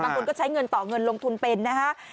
คนก็ใช้เงินต่อเงินลงทุนเป็นนะฮะ